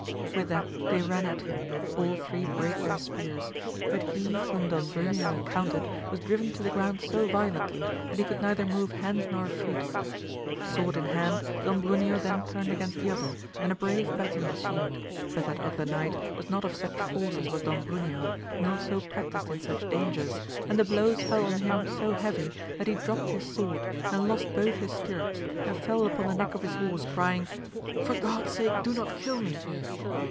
With that they ran at him ; all three brake their spears; but he whom Don Bruneo encountered was driven to the ground so violently, that he could neither move hand nor foot. Sword in hand, Don Bruneo then turned against the other, and a brave battle ensued ; but that other knight was not of such force as was Don Bruneo, nor so practised in such dangers, and the blows fell on him so heavy, that he dropt his sword, and lost both his stirrups, and fell upon the neck of his horse, ^ying, For God's sakfe do not kill me.